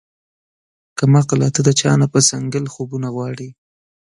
کم عقله تۀ د چا نه پۀ څنګل خوبونه غواړې